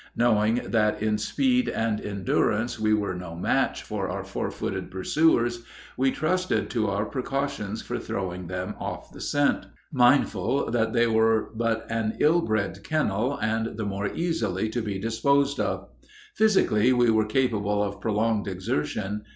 Knowing that in speed and endurance we were no match for our four footed pursuers, we trusted to our precautions for throwing them off the scent, mindful that they were but an ill bred kennel and the more easily to be disposed of. Physically we were capable of prolonged exertion.